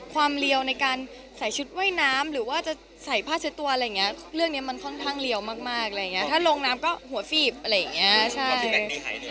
ความเลวในการใส่ชุดว่ายน้ำหรือว่าจะใส่ผ้าเช็ดตัวอะไรอย่างเงี้ยเรื่องนี้มันค่อนข้างเรียวมากอะไรอย่างเงี้ถ้าลงน้ำก็หัวฟีบอะไรอย่างเงี้ยใช่